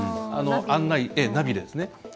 案内、ナビですね。